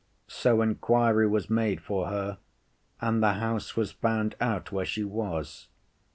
So inquiry was made for her, and the house was found out where she was.